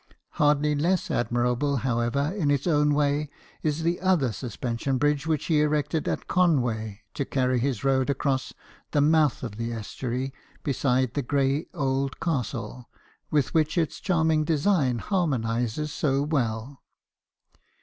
Hardly less admirable, however, in its own way is the other suspension bridge which he erected at Conway, to carry his road across the mouth of the estuary, beside the grey old castle, with which its charming design harmonizes so well.